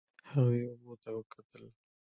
هغې اوبو ته وکتل.